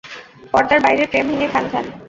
পর্দার বাইরের প্রেম ভেঙে খানখান।